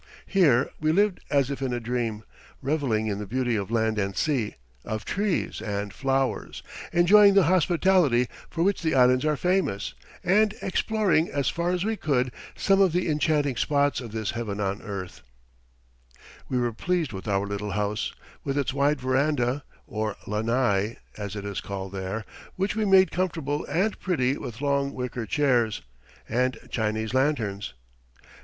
Here we lived as if in a dream, reveling in the beauty of land and sea, of trees and flowers, enjoying the hospitality for which the Islands are famous, and exploring as far as we could some of the enchanting spots of this heaven on earth. [Illustration: ROYAL HAWAIIAN HOTEL.] We were pleased with our little house, with its wide veranda, or lanai, as it is called there, which we made comfortable and pretty with long wicker chairs and Chinese lanterns.